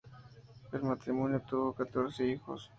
El matrimonio tuvo catorce hijos.